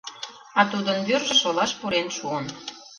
А тудын вӱржӧ шолаш пурен шуын.